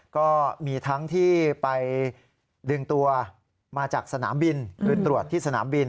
ก็มีทั้งที่ไปดึงตัวมาจากสนามบินหรือตรวจที่สนามบิน